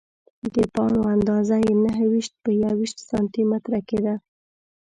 د پاڼو اندازه یې نهه ویشت په یوویشت سانتي متره کې ده.